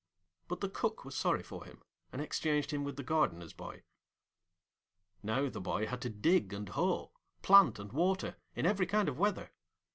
But the Cook was sorry for him, and exchanged him with the Gardener's boy. Now the boy had to dig and hoe, plant and water, in every kind of weather.